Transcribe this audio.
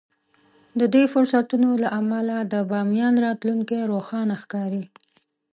د دې فرصتونو له امله د باميان راتلونکی روښانه ښکاري.